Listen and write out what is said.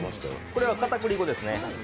これは片栗粉ですね。